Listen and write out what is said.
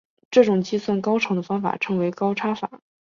这种计算高程的方法称为高差法。